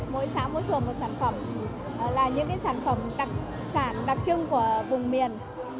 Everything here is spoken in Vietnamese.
mỗi xã phường một sản phẩm là những sản phẩm đặc trưng của vùng miền